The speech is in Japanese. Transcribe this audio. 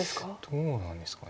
どうなんですか。